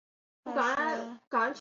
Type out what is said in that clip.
它们是吃浮游生物的。